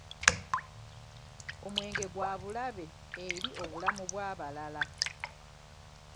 Omwenge gwa bulabe eri obulamu bw'abalala.